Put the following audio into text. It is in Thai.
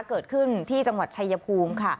เกิดขึ้นที่จังหวัดชายภูมิค่ะ